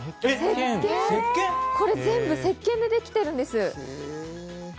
これ全部せっけんでできているんです。